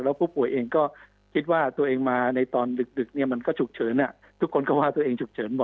แล้วผู้ป่วยเองก็คิดว่าตัวเองมาในตอนดึกเนี่ยมันก็ฉุกเฉินทุกคนก็ว่าตัวเองฉุกเฉินหมด